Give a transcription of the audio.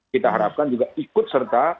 kita harapkan juga ikut serta